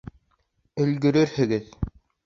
Өлгөрөрһөгөҙ.